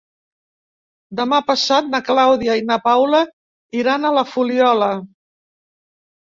Demà passat na Clàudia i na Paula iran a la Fuliola.